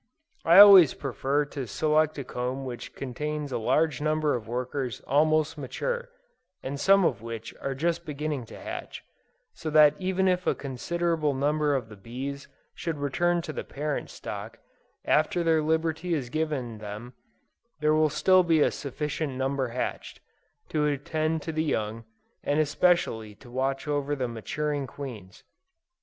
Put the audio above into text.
I always prefer to select a comb which contains a large number of workers almost mature, and some of which are just beginning to hatch, so that even if a considerable number of the bees should return to the parent stock, after their liberty is given them, there will still be a sufficient number hatched, to attend to the young, and especially to watch over the maturing queens.